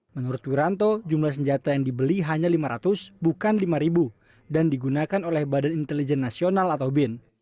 menurut wiranto jumlah senjata yang dibeli hanya lima ratus bukan lima ribu dan digunakan oleh badan intelijen nasional atau bin